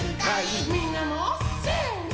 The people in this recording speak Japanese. みんなもせの！